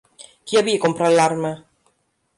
Qui havia comprat l'arma?